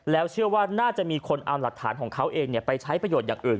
แล้วเชื่อว่าน่าจะมีคนเอาหลักฐานของเขาเองไปใช้ประโยชน์อย่างอื่น